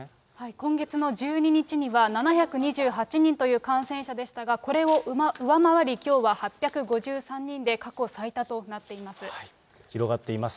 今月の１２日には７２８人という感染者でしたが、これを上回り、きょうは８５３人で、過去最多となっています。